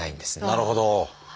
なるほど！